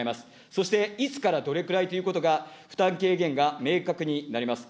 そして、いつからどれくらいということが、負担軽減が明確になります。